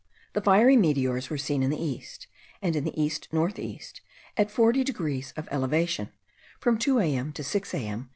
The fiery meteors were seen in the east, and the east north east, at 40 degrees of elevation, from 2 to 6 a.m.